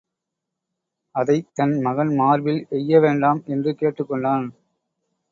அதைத் தன் மகன் மார்பில் எய்ய வேண்டாம் என்று கேட்டுக் கொண்டான்.